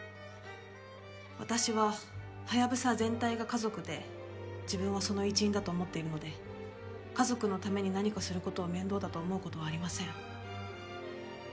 私はハヤブサ全体が家族で自分はその一員だと思っているので家族のために何かする事を面倒だと思う事はありません。